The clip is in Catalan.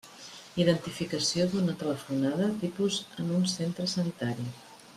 Identificació d'una telefonada tipus en un centro sanitari.